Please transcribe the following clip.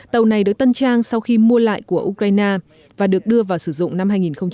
tàu này được tân trang sau khi mua lại của ukraine và được đưa vào sử dụng năm hai nghìn một mươi